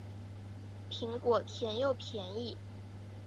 苹果甜又便宜